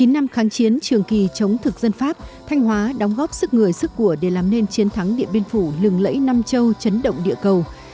chín năm kháng chiến trường kỳ chống thực dân pháp thanh hóa đóng góp sức người sức của để làm nên chiến thắng điện biên phủ lừng lẫy nam châu chấn động địa cầu